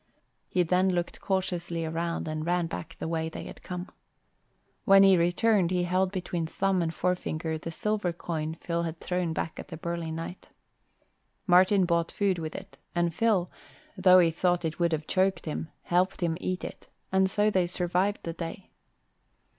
He then looked cautiously around and ran back the way they had come. When he returned he held between thumb and forefinger the silver coin Phil had thrown back at the burly knight. Martin bought food with it and Phil, though he thought it would have choked him, helped him eat it; and so they survived the day.